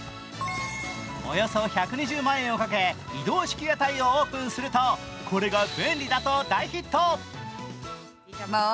およそ１２０万円をかけ、移動式屋台をオープンすると、これが便利だと大ヒット。